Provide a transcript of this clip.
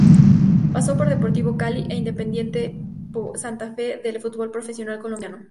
Pasó por Deportivo Cali e Independiente Santa Fe del Fútbol Profesional Colombiano.